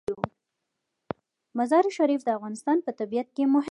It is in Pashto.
مزارشریف د افغانستان په طبیعت کې مهم رول لري.